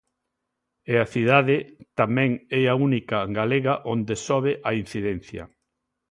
E a cidade tamén é a única Galega onde sobe a incidencia.